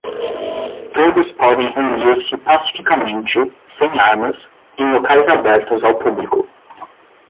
todos podem reunir-se pacificamente, sem armas, em locais abertos ao público